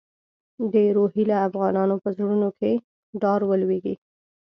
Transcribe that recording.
د روهیله افغانانو په زړونو کې ډار ولوېږي.